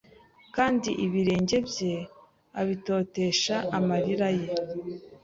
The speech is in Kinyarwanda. kandi ibirenge bye abitotesha amarira ye